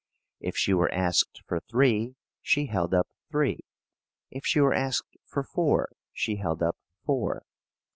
If she were asked for three, she held up three. If she were asked for four, she held up four.